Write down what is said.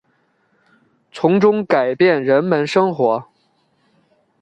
从中改变人们生活